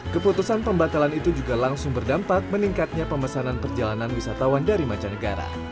keputusan pembatalan itu juga langsung berdampak meningkatnya pemesanan perjalanan wisatawan dari mancanegara